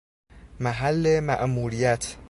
محل مأموریت